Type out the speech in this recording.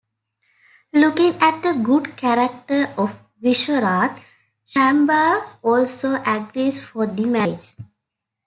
Looking at the good character of Vishvarath, Shambar also agrees for the marriage.